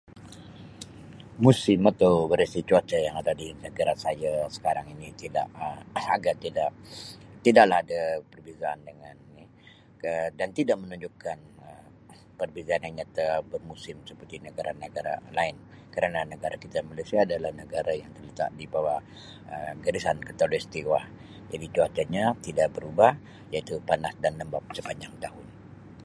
Musim atau variasi cuaca yang ada di negara saya sekarang ini tidak Um agak tidak, tidaklah dia perbezaan dengan ini ke- dan tidak menunjukkan Um perbezaan yang nyata bermusim seperti negara-negara lain, kerana negara kita Malaysia adalah negara yang terletak di bawah Um garisan khatulistiwa jadi cuacanya tidak berubah iaitu panas dan lembap sepanjang tahun